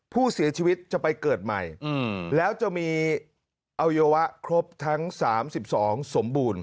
ผู้เสียชีวิตจะไปเกิดใหม่อืมแล้วจะมีเอายวะครบทั้งสามสิบสองสมบูรณ์